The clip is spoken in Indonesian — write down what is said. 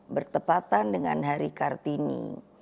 bertepatan dengan hari kartini